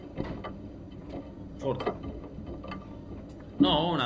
I a capitulacion?